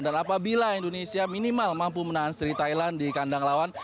dan apabila indonesia minimal mampu menahan sri thailand di kandang lawan